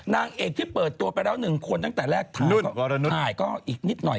นางเอกที่เปิดตัวไปแล้ว๑คนตั้งแต่แรกถ่ายก็อีกนิดหน่อย